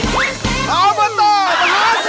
อพหาสนุก